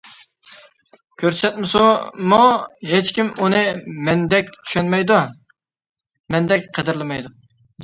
كۆرسەتسىمۇ ھېچكىم ئۇنى مەندەك چۈشەنمەيدۇ، مەندەك قەدىرلىمەيدۇ.